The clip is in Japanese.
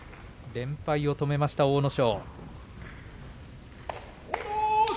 連敗を止めた阿武咲。